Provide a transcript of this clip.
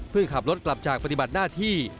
ขับรถกลับจากปฏิบัติหน้าที่